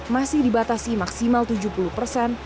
masih dibatasi maksimal tujuh puluh persen